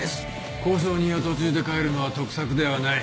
交渉人を途中で変えるのは得策ではない。